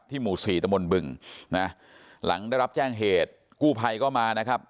ที่หมู่๔ตมบึงหลังได้รับแจ้งเหตุกู้ภัยก็มานะครับ